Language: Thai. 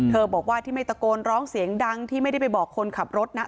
บอกว่าที่ไม่ตะโกนร้องเสียงดังที่ไม่ได้ไปบอกคนขับรถนะ